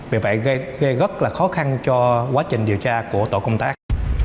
vì vậy gây rất là khó khăn cho quá trình điều tra của tổ công tác